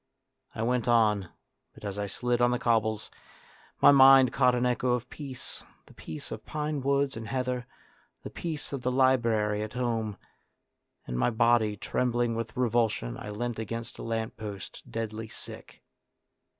I went on, but as I slid on the cobbles, my mind caught an echo of peace, the peace of pine woods and heather, the peace of the library at home, and, my body trembling with revulsion, I leant against a lamp post, deadly sick.